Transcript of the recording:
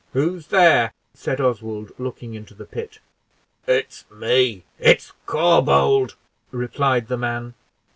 "Who's there?" said Oswald, looking into the pit. "It's me, it's Corbould," replied the man.